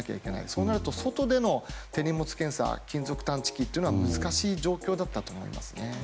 そうなると外での手荷物検査金属探知機は難しい状況だったと思いますね。